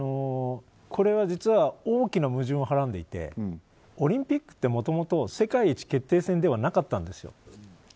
これは実は大きな矛盾をはらんでいてオリンピックって、もともと世界一決定戦ではなかったんです。